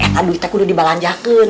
eh eh aduh kita kudu dibalanjakan